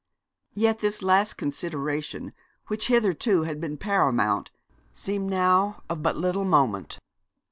Yet this last consideration, which hitherto had been paramount, seemed now of but little moment.